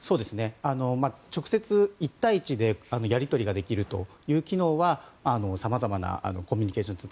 直接、１対１でやり取りができるという機能はさまざまなコミュニケーションツール